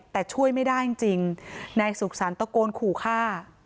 แต่ช่วยไม่ได้จริงนายสุขสรรคตะโกนขู่ฆ่า